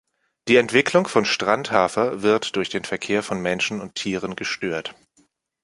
Die Entwicklung von Strandhafer wird durch den Verkehr von Menschen und Tieren gestört.